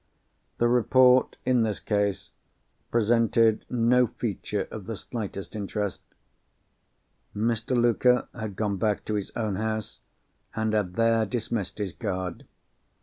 The report, in this case, presented no feature of the slightest interest. Mr. Luker had gone back to his own house, and had there dismissed his guard.